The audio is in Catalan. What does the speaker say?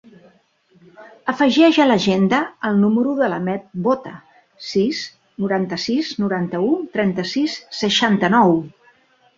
Afegeix a l'agenda el número de l'Ahmed Bota: sis, noranta-sis, noranta-u, trenta-sis, seixanta-nou.